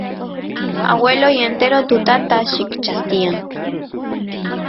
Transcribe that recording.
agueloy entero tutata llikchas tiyan